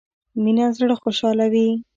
مينه زړه خوشحالوي